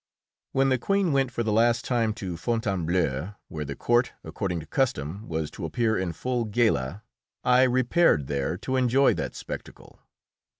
When the Queen went for the last time to Fontainebleau, where the court, according to custom, was to appear in full gala, I repaired there to enjoy that spectacle.